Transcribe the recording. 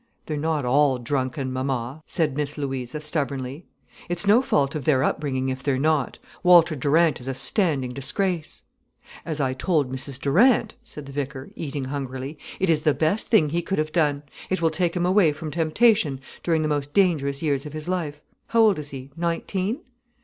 "They're not all drunken, mama," said Miss Louisa, stubbornly. "It's no fault of their upbringing if they're not. Walter Durant is a standing disgrace." "As I told Mrs Durant," said the vicar, eating hungrily, "it is the best thing he could have done. It will take him away from temptation during the most dangerous years of his life—how old is he—nineteen?"